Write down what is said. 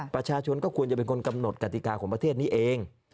ประชาชนก็ควรจะเป็นคนกำหนดกติกาของประเทศนี้เอง